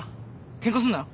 ケンカすんなよ。